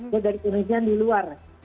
ya dari indonesia dan di luar